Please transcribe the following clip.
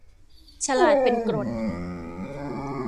ฉลาดเป็นกรด